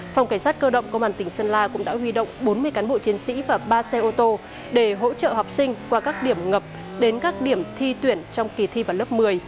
phòng cảnh sát cơ động công an tỉnh sơn la cũng đã huy động bốn mươi cán bộ chiến sĩ và ba xe ô tô để hỗ trợ học sinh qua các điểm ngập đến các điểm thi tuyển trong kỳ thi vào lớp một mươi